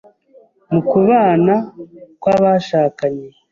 mu kubana kw’abashakanye,